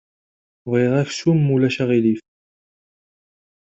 Bɣiɣ aksum ma ulac aɣilif.